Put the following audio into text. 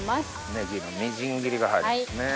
ネギのみじん切りが入りますね。